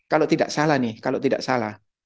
kalau tidak salah nih